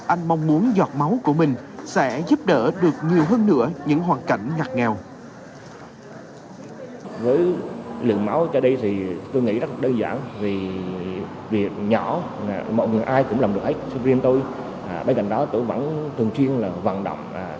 anh mong muốn giọt máu của mình sẽ giúp đỡ được nhiều hơn nữa những hoàn cảnh ngặt nghèo